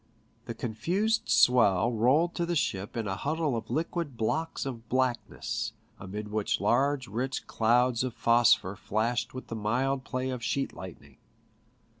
The confused swell rolled to the ship in a huddle of liquid blocks of blackness, amid which large rich clouds of phosphor flashed with the mild play of sheet lightning.